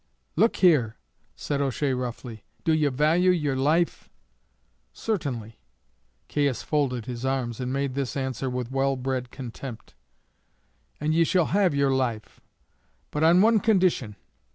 "Look here," said O'Shea roughly, "do ye value your life?" "Certainly." Caius folded his arms, and made this answer with well bred contempt. "And ye shall have your life, but on one condition.